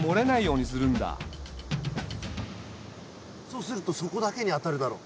そうすると底だけに当たるだろ。